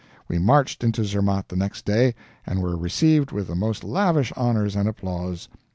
We marched into Zermatt the next day, and were received with the most lavish honors and applause.